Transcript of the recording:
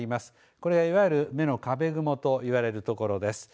これはいわゆる目の壁雲と言われるところです。